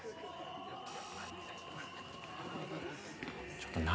ちょっと何？